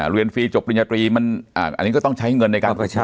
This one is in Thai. เรียนฟรีจบปริญญาตรีอันนี้ก็ต้องใช้เงินในการคุยกับเขา